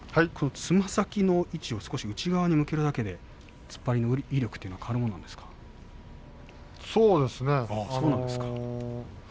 つま先の位置を少しと内側に向けるだけで突っ張りの威力はそうですね。